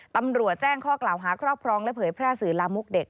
ตำรวจแจ้งข้อกล่าวหาครอบครองและเผยแพร่สื่อลามกเด็ก